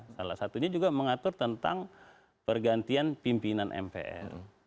salah satunya juga mengatur tentang pergantian pimpinan mpr